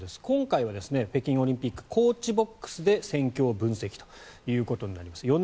今回は北京オリンピックコーチボックスで戦況分析となります。